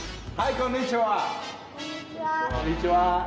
こんにちは。